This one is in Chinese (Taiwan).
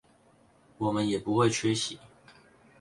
我們也不會缺席